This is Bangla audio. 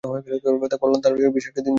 কাল তোর জন্য বিশেষ একটা দিন, জেরি।